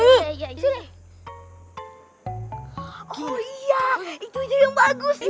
itu itu yang bagus